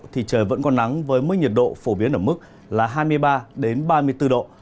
thì trời vẫn còn nắng với mức nhiệt độ phổ biến ở mức là hai mươi ba ba mươi bốn độ